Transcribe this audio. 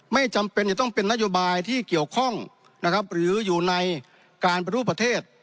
ไม่จำเป็นจะต้องเป็นนโยบายที่เกี่ยวข้องนะครับหรืออยู่ในการปฏิรูปประเทศ